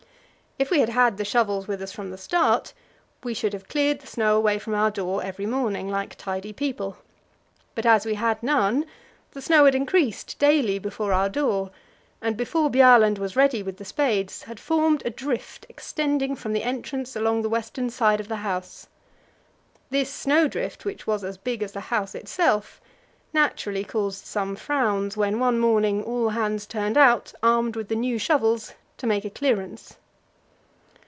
If we had had the shovels with us from the start, we should have cleared the snow away from our door every morning, like tidy people. But as we had none, the snow had increased daily before our door, and, before Bjaaland was ready with the spades, had formed a drift extending from the entrance along the western side of the house. This snow drift, which was as big as the house itself, naturally caused some frowns, when one morning all hands turned out, armed with the new shovels, to make a clearance.